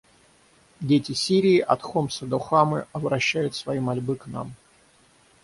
Дети Сирии — от Хомса до Хамы — обращают свои мольбы к нам.